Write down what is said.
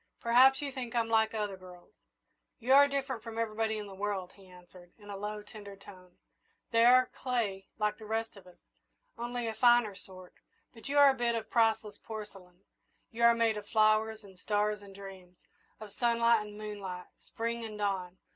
"Perhaps you think I'm like other girls!" "You are different from everybody in the world," he answered, in a low, tender tone. "They are clay like the rest of us, only of a finer sort, but you are a bit of priceless porcelain. You are made of flowers and stars and dreams of sunlight and moonlight, Spring and dawn.